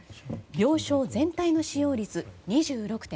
病床全体の使用率は２６．８％。